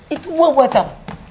itu buah buat siapa